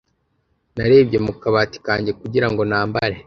narebye mu kabati kanjye kugira ngo nambare